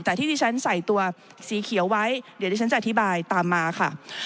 แต่ที่ที่ฉันใส่ตัวสีเขียวไว้เดี๋ยวที่ฉันจะอธิบายตามมาค่ะ